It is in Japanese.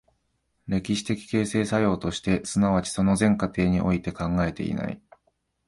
歴史的形成作用として、即ちその全過程において考えていない。